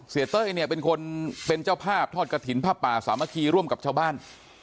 เต้ยเนี่ยเป็นคนเป็นเจ้าภาพทอดกระถิ่นผ้าป่าสามัคคีร่วมกับชาวบ้าน